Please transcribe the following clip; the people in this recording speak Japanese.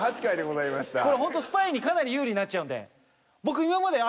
これほんとスパイにかなり有利になっちゃうんで。